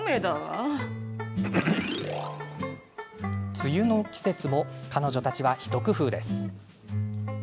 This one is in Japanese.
梅雨の季節も彼女たちは一工夫。